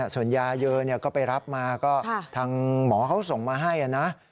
ส่วนยาเยอะก็ไปรับมาก็ทางหมอเขาส่งมาให้นะ